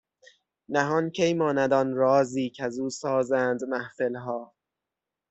نهان کی ماند آن رازی کز او سازند محفلها